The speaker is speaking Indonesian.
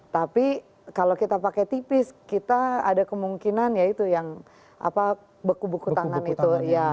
tapi kalau kita pakai tipis kita ada kemungkinan ya itu yang beku beku tangan itu